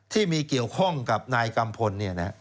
ที่มีเกี่ยวข้องกับนายกัมพล